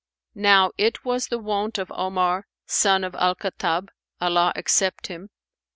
Now it was the wont of Omar, son of Al Khattab (Allah accept him!)